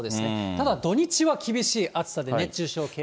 ただ、土日は厳しい暑さで、熱中症警戒。